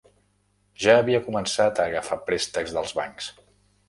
Ja havia començat a agafar préstecs dels bancs.